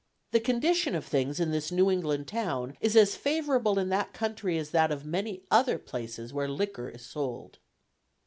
The condition of things in this New England town is as favorable in that country as that of many other places where liquor is sold.